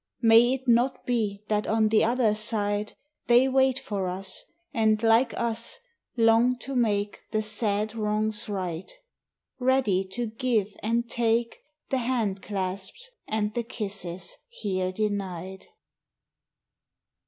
May it not be that on the other side They wait for us, and, like us, long to make The sad wrongs right, ready to give and take The hand clasps and the kisses here denied?